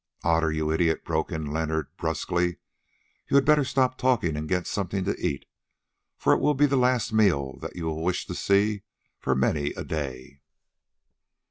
"Otter, you idiot," broke in Leonard brusquely, "you had better stop talking and get something to eat, for it will be the last meal that you will wish to see for many a day."